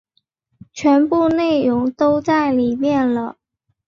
全部内容都在里面了